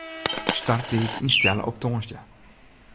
Starttiid ynstelle op tongersdei.